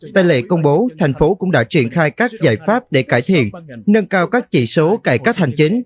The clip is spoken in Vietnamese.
tại lệ công bố tp hcm cũng đã triển khai các giải pháp để cải thiện nâng cao các chỉ số cải cách hành chính